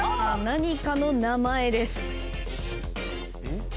何かの名前です。